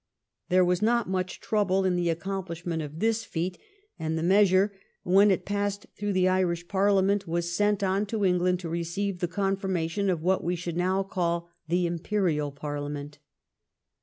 There was not much trouble in the accom plishment of this feat, and the measure when it 202 THE EEIGN OF QUEEN ANNE. ch. xxx. passed through the Irish Parliament was sent on to England to receive the confirmation of what we should now call the Imperial Parliament.